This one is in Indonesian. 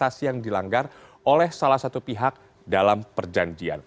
investasi yang dilanggar oleh salah satu pihak dalam perjanjian